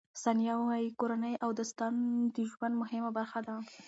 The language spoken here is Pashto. ثانیه وايي، کورنۍ او دوستان د ژوند مهمه برخه دي.